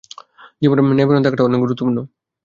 জীবনে ন্যায়পরায়ণ থাকাটা অনেক গুরুত্বপূর্ণ।